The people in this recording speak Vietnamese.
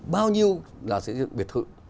bao nhiêu là xây dựng biệt thự